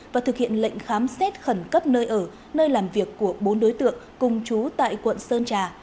và thực hiện lệnh khám xét khẩn cấp nơi ở nơi làm việc của bốn đối tượng cùng chú tại quận sơn trà